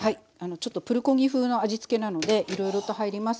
ちょっとプルコギ風の味つけなのでいろいろと入ります。